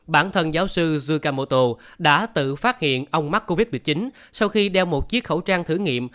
bản thân giáo sư zukamoto đã tự phát hiện ông mắc covid một mươi chín sau khi đeo một chiếc khẩu trang thử nghiệm